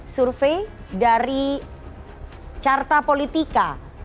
survei dari carta politika